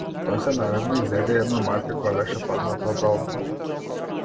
Тој се наведна и зеде една марка која беше падната од албумот.